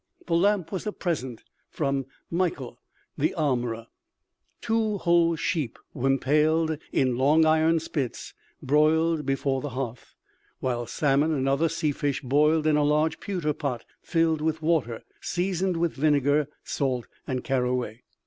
The lamp was a present from Mikael the armorer. Two whole sheep, impaled in long iron spits broiled before the hearth, while salmon and other sea fish boiled in a large pewter pot filled with water, seasoned with vinegar, salt and caraway.